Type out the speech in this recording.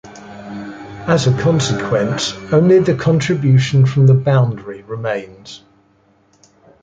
As a consequence, only the contribution from the boundary remains.